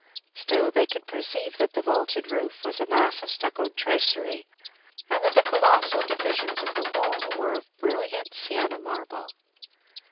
Still, they could perceive that the vaulted roof was a mass of stuccoed tracery, and that the colossal divisions of the wall were of brilliant Sienna marble.